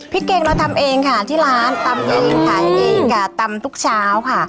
พริกแกงเราทำเองค่ะที่ร้านตำเองค่ะแดดเองกะตำทุกเช้าค่ะ